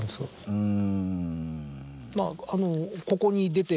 うん。